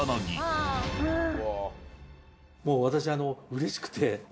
もう私うれしくて。